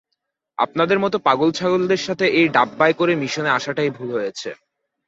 আপনাদের মতো পাগল ছাগলদের সাথে এই ডাব্বায় করে মিশনে আসাটাই ভুল হয়েছে!